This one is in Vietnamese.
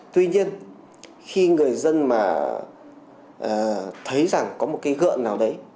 tuy nhiên khi người dân mà thấy rằng có một cái gợn nào đấy